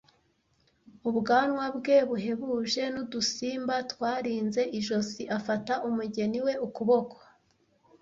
ubwanwa bwe buhebuje n'udusimba twarinze ijosi, afata umugeni we ukuboko,